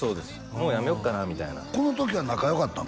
もう辞めようかなみたいなこの時は仲良かったん？